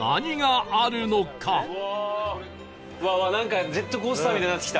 うわうわなんかジェットコースターみたいになってきた。